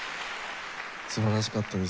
素晴らしかったですね